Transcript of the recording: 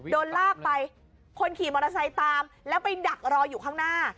โดนลากไปคนขี่มอเตอร์ไซค์ตามแล้วไปดักรออยู่ข้างหน้า